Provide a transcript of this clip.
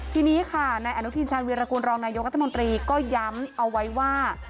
ทีนี้ในอหนุทิชาวิรากูลรองนายกับท่านมนตรีก็ย้ำเอาไว้ว่า